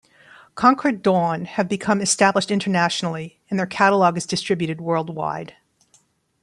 Concord Dawn have become established internationally and their catalog is distributed worldwide.